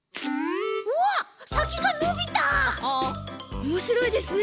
おもしろいですね。